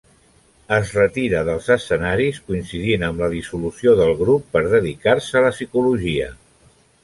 Es retira dels escenaris coincidint amb la dissolució del grup per dedicar-se a la psicologia.